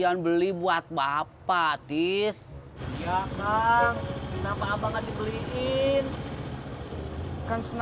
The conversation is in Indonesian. astaga aku sudah ceritain